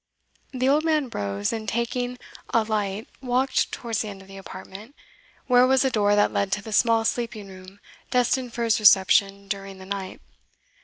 The old man rose, and taking a light walked towards the end of the apartment, where was a door that led to the small sleeping room destined for his reception during the night.